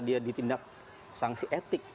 dia ditindak sanksi etik